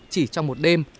chỉ trong một đêm